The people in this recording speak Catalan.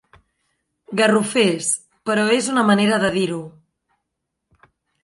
Garrofers, però és una manera de dir-ho.